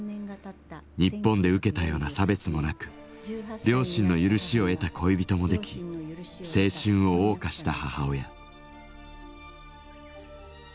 日本で受けたような差別もなく両親の許しを得た恋人もでき青春を謳歌した母親。